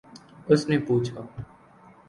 اس نے پوچھا